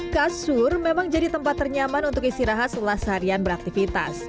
kasur memang jadi tempat ternyaman untuk istirahat setelah seharian beraktivitas